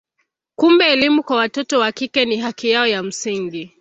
Kumbe elimu kwa watoto wa kike ni haki yao ya msingi.